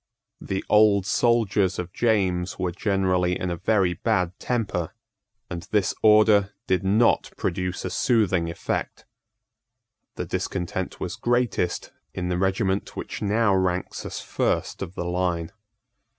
The old soldiers of James were generally in a very bad temper; and this order did not produce a soothing effect. The discontent was greatest in the regiment which now ranks as first of the line.